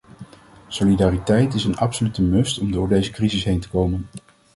Solidariteit is een absolute must om door deze crisis heen te komen.